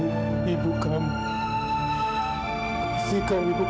kasihkan ibu kamu setelah hari kamu nak